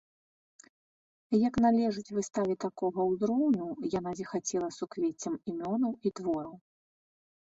Як належыць выставе такога ўзроўню, яна зіхацела суквеццем імёнаў і твораў.